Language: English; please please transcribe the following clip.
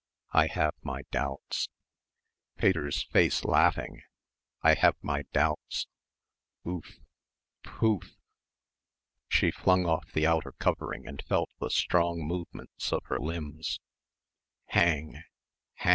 I have my doubts ... Pater's face laughing I have my doubts, ooof P ooof. She flung off the outer covering and felt the strong movements of her limbs. Hang!